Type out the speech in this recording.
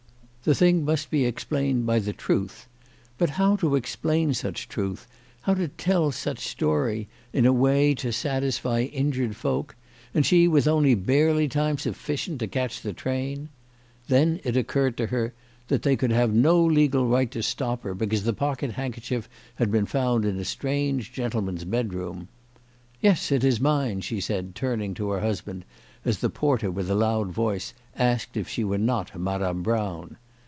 The thing must be explained by the truth ; but how to explain such truth, how to tell such story in a way to satisfy injured folk, and she with only barely time sufficient to catch the train ! Then it occurred to her that they could have no legal right to stop her because the pocket handkerchief had been found in a strange gen tleman's bedroom. " Yes, it is mine," she said, turning to her husband, as the porter, with a loud voice, asked if she were not Madame Brown.